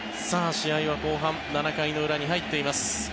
試合は後半７回の裏に入っています。